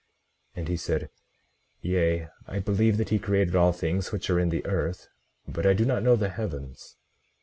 18:29 And he said: Yea, I believe that he created all things which are in the earth; but I do not know the heavens.